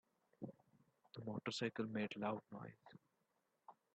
The motorcycle made loud noise.